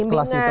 ikut kelas itu